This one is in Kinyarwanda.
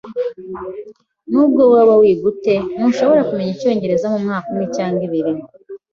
Nubwo waba wiga ute, ntushobora kumenya icyongereza mumwaka umwe cyangwa ibiri.